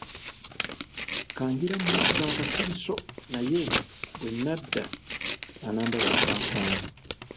Ka ngira mmussa akasiriso naye bwe nadda anandaba akanfamu.